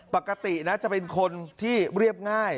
ปกตินะจะเป็นคนที่เรียบง่าย